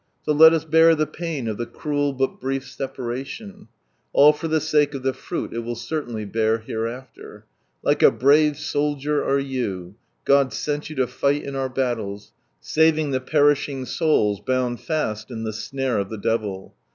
So let us bear the pain of the cruel but brief separalion, All (or [he sake of the fruit it will certainly bear hereafter. Like a brave soldier are you : God sent you to flghl in our lutlles, Saving the perishing louU bound fast in the mate of the devil.